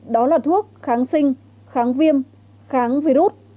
đó là thuốc kháng sinh kháng viêm kháng virus